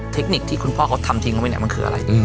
เทคนิคที่คุณพ่อเขาทำทิ้งเขาไปไหนมันคืออะไร